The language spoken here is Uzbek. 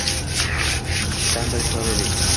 Ta`m bilishni olaylik